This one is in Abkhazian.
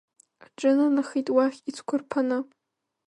Аҿынанахеит уахь ицәқәырԥаны.